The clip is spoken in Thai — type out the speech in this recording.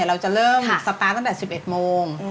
เราจะเริ่มสตาร์ทตั้งแต่๑๑โมง